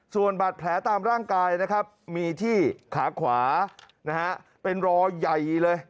ส่วนบัตรแผลตามร่างกายมีที่ขาขวาเป็นรอใหญ่เลย